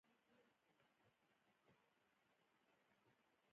شاه دوشمشیره جومات څه کیسه لري؟